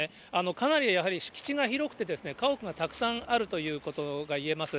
かなりやはり敷地が広くて、家屋がたくさんあるということが言えます。